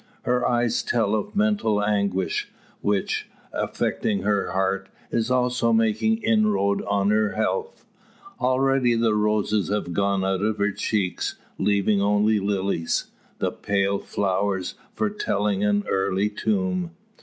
Her eyes tell of mental anguish, which, affecting her heart, is also making inroad on her health. Already the roses have gone out of her cheeks, leaving only lilies; the pale flowers foretelling an early tomb.